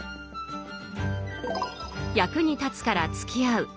役に立つからつきあう